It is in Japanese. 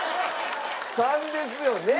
３ですよね。